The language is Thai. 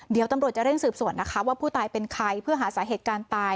เดี๋ยวตำรวจจะเร่งสืบสวนนะคะว่าผู้ตายเป็นใครเพื่อหาสาเหตุการณ์ตาย